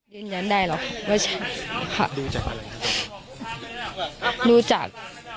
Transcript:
ยืนยันได้หรอกว่าใช่ค่ะรู้จัก